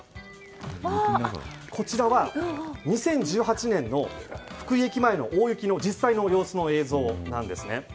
こちらは２０１８年の福井駅前の大雪の実際の様子の映像です。